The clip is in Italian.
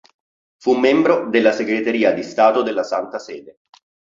Fu membro della Segreteria di Stato della Santa Sede.